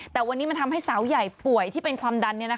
แต่วันนี้มันทำให้สาวใหญ่ป่วยที่เป็นความดัน